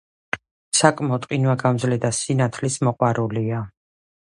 საკმაოდ ყინვაგამძლე და სინათლის მოყვარულია.